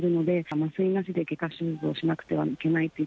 麻酔なしで外科手術をしなくてはいけないと。